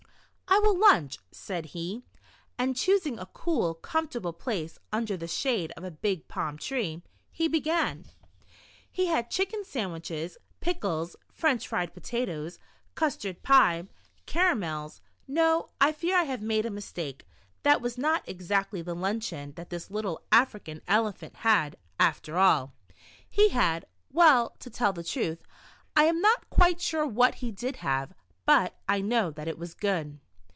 "I will lunch," said he, and choosing a cool, comfortable place under the shade of a big palm tree, he began. He had chicken sandwiches, pic kles, French fried potatoes, custard pie, caramels, — no, I fear I have made a mistake. That was not 140 Monkey Tricks in the Jungle. exactly the luncheon that this little African Ele phant had, after all. He had — well, to tell the truth, I am not quite sure what he did have, but I know that it was good.